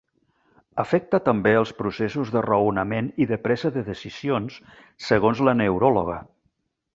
Afecta també els processos de raonament i de presa de decisions, segons la neuròloga.